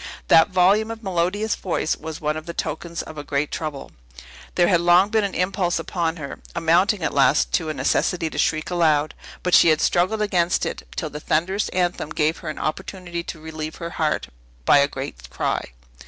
That volume of melodious voice was one of the tokens of a great trouble. There had long been an impulse upon her amounting, at last, to a necessity to shriek aloud; but she had struggled against it, till the thunderous anthem gave her an opportunity to relieve her heart by a great cry.